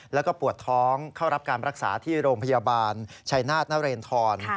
แล้วก็ปวดท้องเข้ารับการรักษาที่โรงพยาบาลชัยนาธนเรนทร